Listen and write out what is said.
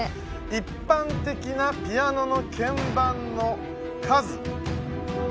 「一般的なピアノのけんばんの数」